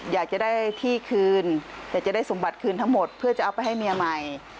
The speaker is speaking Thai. อยากจะได้ที่คืนแต่จะได้สมบัติคืนทั้งหมดเพื่อจะเอาไปให้เมียใหม่